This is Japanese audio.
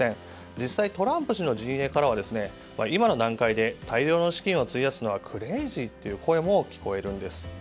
実際トランプ氏の陣営からは今の段階で大量の資金を費やすのはクレイジーという声も聞こえるんです。